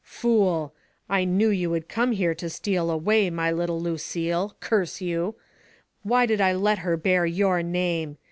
Fool ! I knew you would come here to steal away my little Lucille — curse you! Why did I let her bear your name?